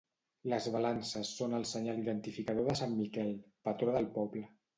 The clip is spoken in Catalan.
Les balances són el senyal identificador de sant Miquel, patró del poble.